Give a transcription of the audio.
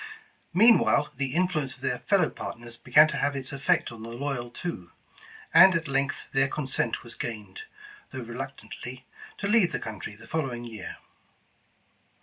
Meanwhile the influ ence of their fellow partners began to have its effect on the loyal two, and at length their consent was gained, though reluctantly, to leave the country the following year.